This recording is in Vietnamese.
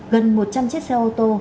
gần một trăm linh chiếc xe ô tô